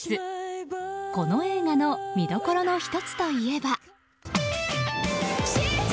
この映画の見どころの１つといえば。